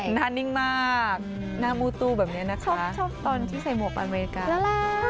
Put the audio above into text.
หน้านิ่งมากหน้ามูตู้แบบนี้นะคะชอบตอนที่ใส่หมวกอเมริกาน่ารัก